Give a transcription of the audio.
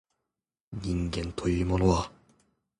人間というものは